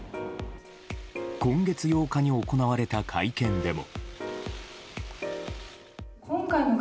今月８日に行われた会見でも。